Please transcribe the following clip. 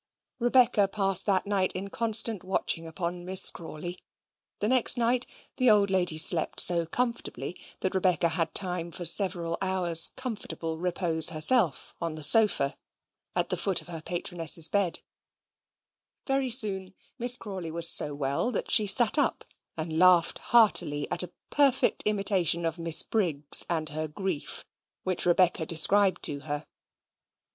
Rebecca passed that night in constant watching upon Miss Crawley; the next night the old lady slept so comfortably, that Rebecca had time for several hours' comfortable repose herself on the sofa, at the foot of her patroness's bed; very soon, Miss Crawley was so well that she sat up and laughed heartily at a perfect imitation of Miss Briggs and her grief, which Rebecca described to her.